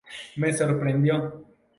Me sorprendió.